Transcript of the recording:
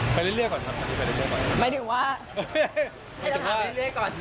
ไปเรื่อยก่อนฮะไปเรื่อยก่อน